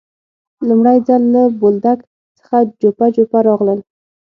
لومړی ځل له بولدک څخه جوپه جوپه راغلل.